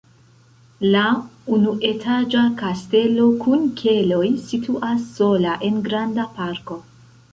La unuetaĝa kastelo kun keloj situas sola en granda parko.